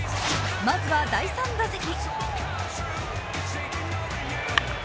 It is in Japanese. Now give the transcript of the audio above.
まずは第３打席。